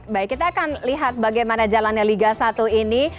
baik kita akan lihat bagaimana jalannya liga satu ini